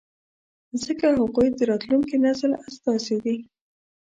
ځکه هغوی د راتلونکي نسل استازي دي.